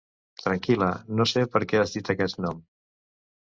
Tranquil·la, no sé per què has dit aquest nom...